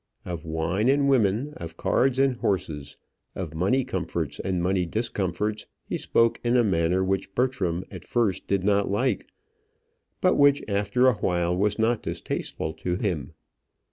Of wine and women, of cards and horses, of money comforts and money discomforts, he spoke in a manner which Bertram at first did not like, but which after awhile was not distasteful to him.